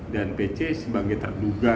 dan pece sebagai terduga